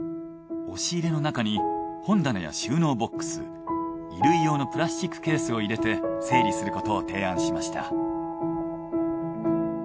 押し入れの中に本棚や収納ボックス衣類用のプラスチックケースを入れて整理することを提案しました。